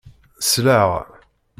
Sleɣ.